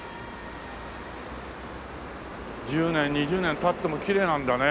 １０年２０年経ってもきれいなんだね。